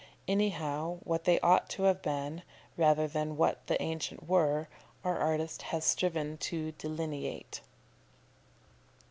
Anyhow, what they ought to have been, rather than what the ancient were, our artist has striven to delineate.